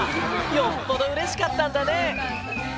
よっぽどうれしかったんだね。